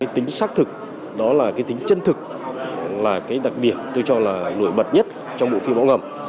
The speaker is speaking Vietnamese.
tính xác thực tính chân thực là đặc điểm tôi cho là nổi bật nhất trong bộ phim bão ngầm